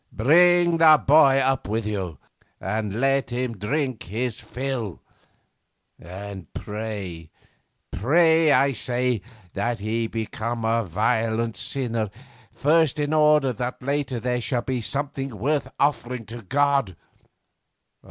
'Bring the boy up with you, and let him drink his fill. And pray, pray, I say, that he become a violent sinner first in order that later there shall be something worth offering to God.